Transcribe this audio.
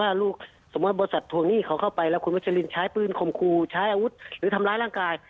ถ้าลูกสมมุติบริษัททวงหนี้เขาเข้าไปแล้วคุณวัชลินใช้ปืนคมครูใช้อาวุธหรือทำร้ายร่างกาย